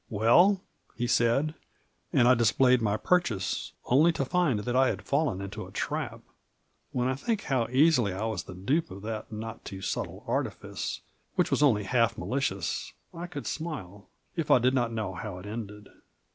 »" Well ?" he said, and I displayed my purchase, only to find that I had fallen into a trap. When I think how easily I was the dupe of that not too subtle artifice, which was only half malicious, I could smile, if I did not know how it ended.